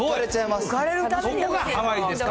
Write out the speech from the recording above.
浮かれるためのハワイですか